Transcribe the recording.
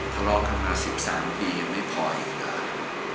พอรอกันมา๑๓ปียังไม่พออีกเลย